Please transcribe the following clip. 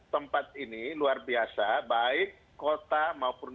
tempat ini luar biasa baik kota maupun